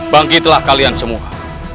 bangkitlah kalian semua